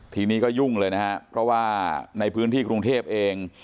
ทีนี้ก็ยุ่งเลยนะครับเพราะว่าในพื้นที่กรุงเทพเอง